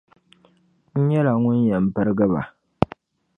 N nyɛla ŋun yɛn birgi ba.